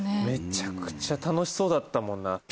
めちゃくちゃ楽しそうだったもんな。